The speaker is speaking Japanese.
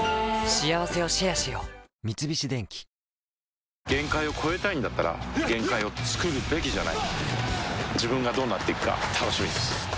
三菱電機限界を越えたいんだったら限界をつくるべきじゃない自分がどうなっていくか楽しみです